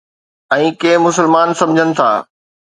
۽ ڪي مسلمان سمجھن ٿا